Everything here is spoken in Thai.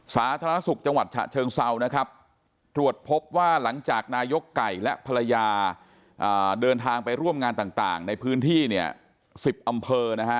สาธารณสุขจังหวัดฉะเชิงเซานะครับตรวจพบว่าหลังจากนายกไก่และภรรยาเดินทางไปร่วมงานต่างในพื้นที่เนี่ย๑๐อำเภอนะฮะ